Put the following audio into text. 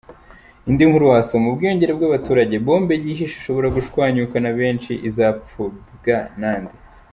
Indi nkuru wasoma: Ubwiyongere bw’abaturage, bombe yihishe ishobora gushwanyukana benshi izapfubywa na nde?.